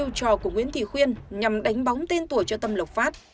đây là chiêu trò của nguyễn thị khuyên nhằm đánh bóng tên tuổi cho tâm lộc phát